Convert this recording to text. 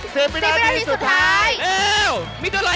สิ้นปีนาทีสุดท้าย